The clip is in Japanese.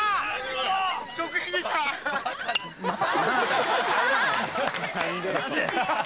・直撃でした・